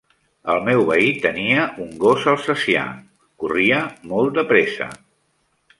El meu veí tenia un gos Alsacià, corria molt de pressa.